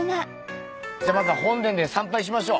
じゃあまずは本殿で参拝しましょう。